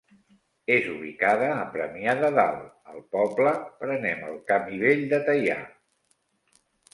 És ubicada a Premià de Dalt: al poble, prenem el Camí Vell de Teià.